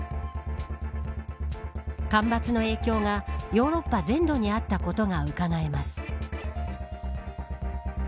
干ばつの影響がヨーロッパ全土にあったことがうかがえます。